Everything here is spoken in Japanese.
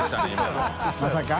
まさか？